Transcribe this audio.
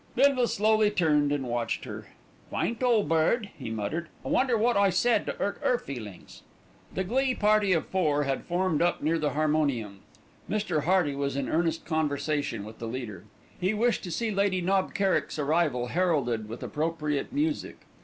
Bindle slowly turned and watched her. "Quaint old bird," he muttered. "I wonder wot I said to 'urt 'er feelin's." The glee party of four had formed up near the harmonium. Mr. Hearty was in earnest conversation with the leader. He wished to see Lady Knob Kerrick's arrival heralded with appropriate music.